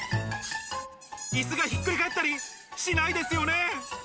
いすがひっくり返ったりしないですよね？